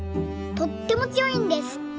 とってもつよいんです。